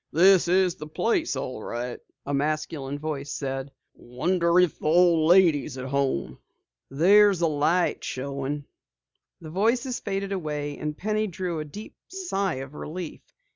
"This is the place all right," a masculine voice said. "Wonder if the old lady is at home?" "There's a light showing." The voices faded away, and Penny drew a deep sigh of relief.